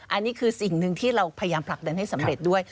อันนี้คือสิ่งหนึ่งที่เราพยายามผลักดันให้สำเร็จด้วย